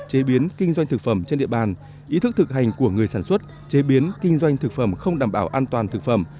chế biến kinh doanh thực phẩm trên địa bàn ý thức thực hành của người sản xuất chế biến kinh doanh thực phẩm không đảm bảo an toàn thực phẩm